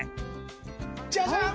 ジャジャン！